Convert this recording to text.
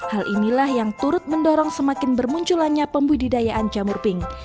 hal inilah yang turut mendorong semakin bermunculannya pembudidayaan jamur pink